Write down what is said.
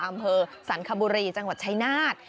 อำเภอสรรคบุรีจังหวัดชายนาฏ